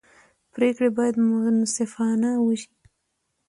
پرېکړې باید منصفانه وي